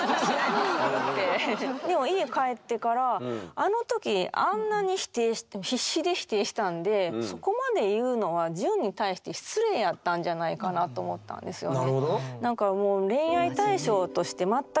でも家帰ってからあの時あんなに否定必死で否定したんでそこまで言うのはジュンに対して失礼やったんじゃないかなと思ったんですよね。